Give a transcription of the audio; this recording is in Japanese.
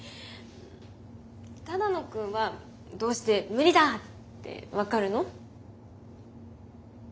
只野くんはどうして無理だって分かるの？